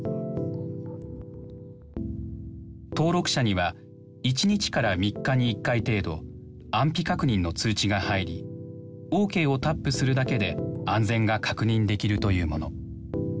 登録者には１日から３日に一回程度安否確認の通知が入りＯＫをタップするだけで安全が確認できるというもの。